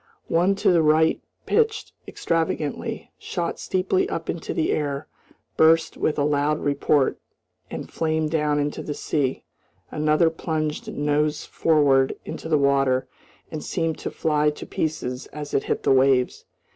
One to the right pitched extravagantly, shot steeply up into the air, burst with a loud report, and flamed down into the sea; another plunged nose forward into the water and seemed to fly to pieces as it hit the waves.